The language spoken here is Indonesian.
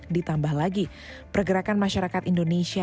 ditambah lagi pergerakan masyarakat indonesia